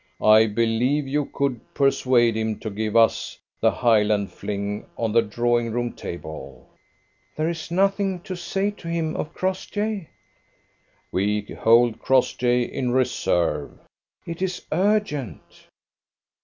I believe you could persuade him to give us the Highland fling on the drawing room table." "There is nothing to say to him of Crossjay?" "We hold Crossjay in reserve." "It is urgent."